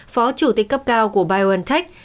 phó chủ tịch cấp cao của biontech